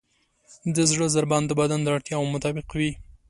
د زړه ضربان د بدن د اړتیاوو مطابق وي.